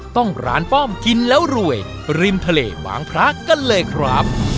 ร้านป้อมกินแล้วรวยริมทะเลวางพระกันเลยครับ